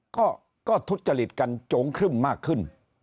ก็ทุจริตกันโจงครึ่มมากขึ้น